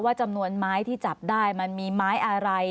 จำนวนไม้ที่จับได้มันมีไม้อะไร